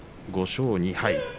５勝２敗。